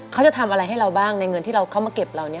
เขาจะทำอะไรให้เราบ้างในเงินที่เราเข้ามาเก็บเรา